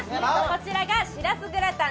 こちらがしらすグラタン